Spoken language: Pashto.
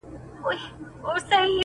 • دومره ستړی سو چي ځان ورڅخه هېر سو -